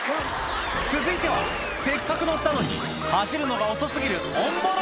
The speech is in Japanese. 続いてはせっかく乗ったのに走るのが遅過ぎるオンボロ